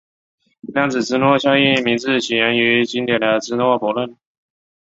量子芝诺效应的名字起源于经典的芝诺悖论。